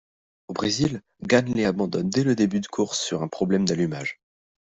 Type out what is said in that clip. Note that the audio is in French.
Au Brésil, Ganley abandonne dès le début de course sur problème d'allumage.